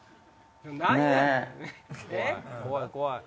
怖い怖い！